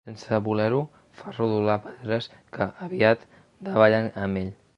Sense voler-ho fa rodolar pedres que, aviat, davallen amb ell.